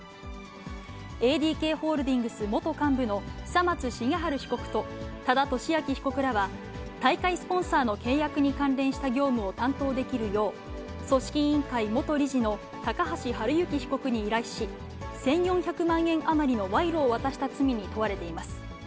ＡＤＫホールディングス元幹部の久松茂治被告と多田俊明被告らは、大会スポンサーの契約に関連した業務を担当できるよう、組織委員会元理事の高橋治之被告に依頼し、１４００万円余りの賄賂を渡した罪に問われています。